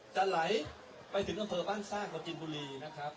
จะไหลไปถึงดังเทอด์บั้นสร้างกันกินบุรีนะครับ